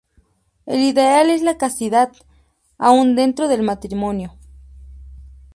El ideal es la castidad, aún dentro del matrimonio.